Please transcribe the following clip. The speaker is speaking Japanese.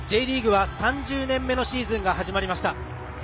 Ｊリーグは、３０年目のシーズンが始まりました。